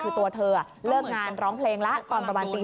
คือตัวเธอเลิกงานร้องเพลงแล้วตอนประมาณตี